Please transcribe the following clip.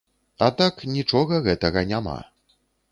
А так нічога гэтага няма.